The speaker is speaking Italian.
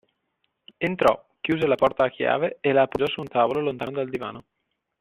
Entrò, chiuse la porta a chiave a la appoggiò su un tavolo, lontano dal divano.